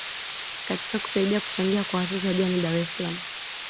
katika kusaidia kuchangia kwa watoto wajane dar es Salaam